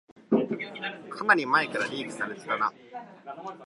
かなり前からリークされてたな